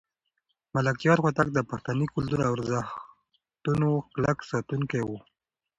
ملکیار هوتک د پښتني کلتور او ارزښتونو کلک ساتونکی و.